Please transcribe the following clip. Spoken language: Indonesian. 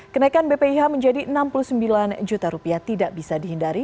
kenaikan bpih menjadi rp enam puluh sembilan juta rupiah tidak bisa dihindari